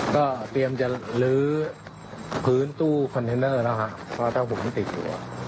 ก็เตรียมจะลื้อพื้นตู้คอนเทนเนอร์แล้วฮะเพราะถ้าผมติดอยู่